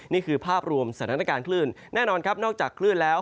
นี่คือภาพรวมสถานการณ์คลื่นแน่นอนครับนอกจากคลื่นแล้ว